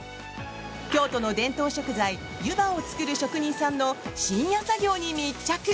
京都の伝統食材、湯葉を作る職人さんの深夜作業に密着！